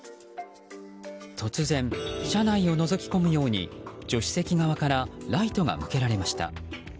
突然、車内をのぞき込むように助手席側からライトが向けられました。